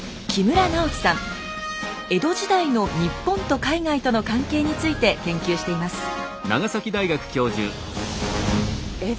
江戸時代の日本と海外との関係について研究しています。